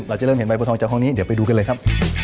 เราจะเริ่มเห็นใบบัวทองจากห้องนี้เดี๋ยวไปดูกันเลยครับ